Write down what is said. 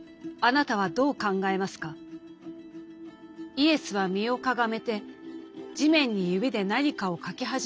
「イエスは身をかがめて地面に指で何かを書き始められた。